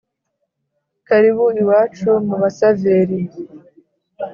karibu iwacu mu basaveri